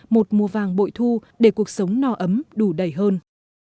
một mùa vàng bội thu để cuộc sống no ấm đủ đầy hơn